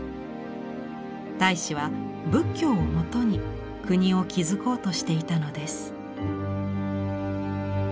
太子は仏教をもとに国を築こうとしていたのです。